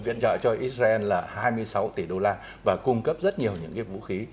đến nay thì israel đã viện trợ cho mỹ là hai mươi sáu tỷ đô la và cung cấp rất nhiều những cái vũ khí